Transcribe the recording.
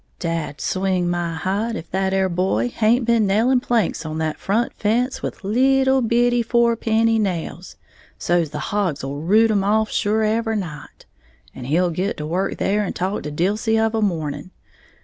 Dad swinge my hide if that 'ere boy haint been nailing planks on that front fence with lee tle bitty fourpenny nails, so's the hogs'll root 'em off sure every night, and he'll git to work there and talk to Dilsey of a morning!